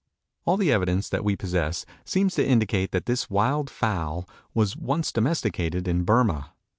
All the evidence that we possess seems to indicate that this wild fowl was first domesticated in Burmah.